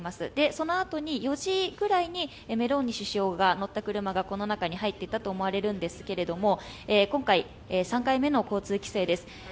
そのあとに４時ぐらいにメローニ首相が乗った車がこの中に入っていったと思われるんですけれども今回、３回目の交通規制です。